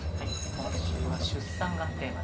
今週は「出産」がテーマです。